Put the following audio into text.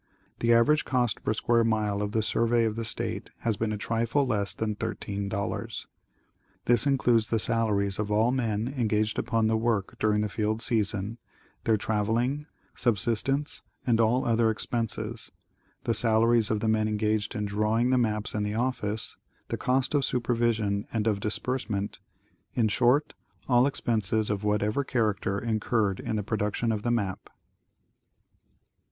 The average cost per square mile of the survey of the State has been a trifle less than |13. This includes the salaries of all men engaged upon the work during the field season, their traveling, subsistence and all other expenses, the salaries of the men engaged in di'awing the maps in the oflSce, the cost of supervision and of disbursement, — in short all expenses of whatever character, in curred in the production of the map.